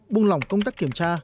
bùng lỏng công tác kiểm tra